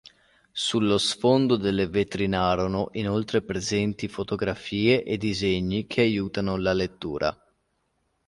Sullo sfondo delle vetrinarono inoltre presenti fotografie e disegni che aiutano la lettura.